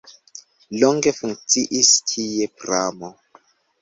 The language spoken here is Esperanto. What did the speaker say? Longe funkciis tie pramo.